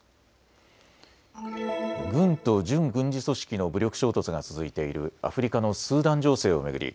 軍と準軍事組織の武力衝突が続いているアフリカのスーダン情勢を巡り